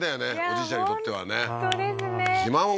おじいちゃんにとってはね本当ですね